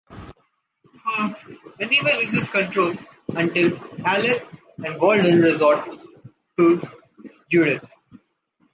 Herb anyway looses control, until Alan and Walden resort to Judith.